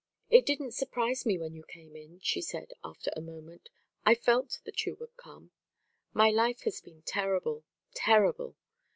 "It didn't surprise me when you came in," she said, after a moment. "I felt that you would come My life has been terrible, terrible!